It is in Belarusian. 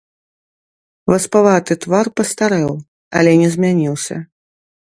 Васпаваты твар пастарэў, але не змяніўся.